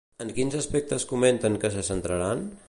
En quins aspectes comenten que se centraran?